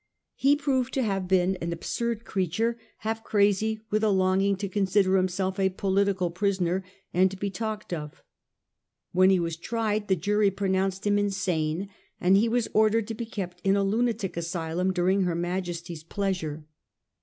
He proved to have been an absurd creature, half crazy with a longing to consider himself a political prisoner and to be talked of. When he was tried, the jury pronounced him insane, and he was ordered to be kept in a lunatic asylum during her Majesty's pleasure.